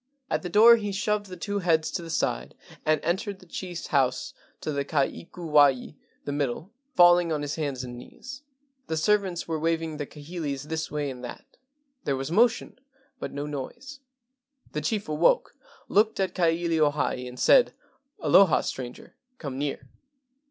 At the door he shoved the two heads to the side and entered the chief's house to the ka ikuwai (the middle), falling on his hands and knees. The servants were waving the kahilis this way and that. There was motion, but no noise. The chief awoke, looked at Ka ilio hae, and said: "Aloha, stranger, come near.